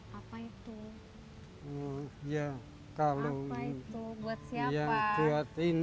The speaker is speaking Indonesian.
hai mungatu muji kalau itu buat siartment ini yang memakan